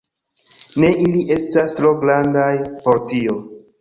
Ne, ili estas tro grandaj por tio